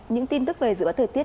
những tin tức về dự báo thời tiết